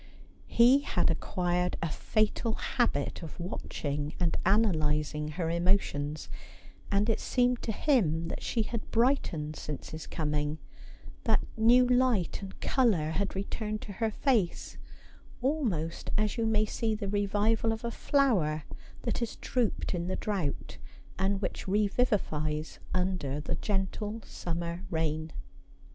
He had acquired a fatal habit of watching and analysing her emotions ; and it seemed to him that she had brightened since his coming, that new light and colour had returned to her face ; almost as you may see the revival of a flower that has drooped in the drought, and which revivifies under the gentle summer rain.